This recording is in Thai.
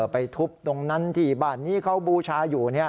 ไปทุบตรงนั้นที่บ้านนี้เขาบูชาอยู่